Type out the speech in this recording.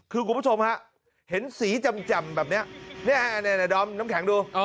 คือกลุ่มผู้ชมฮะเห็นสีจำแบบเนี่ยนี่ดำน้ำแข็งดู